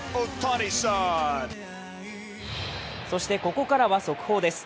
そしてここからは速報です。